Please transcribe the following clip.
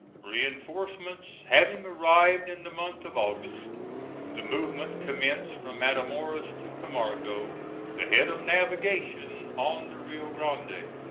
Reinforcements having arrived, in the month of August the movement commenced from Matamoras to Camargo, the head of navigation on the Rio Grande.